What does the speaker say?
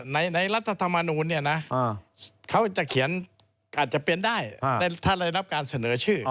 รัฐธรรมนูลเนี่ยนะเขาจะเขียนอาจจะเป็นได้ถ้าเราได้รับการเสนอชื่อ